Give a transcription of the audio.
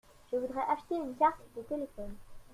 Je voudrais acheter une carte de téléphone.